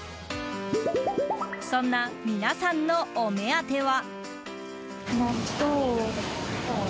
そんな皆さんのお目当ては。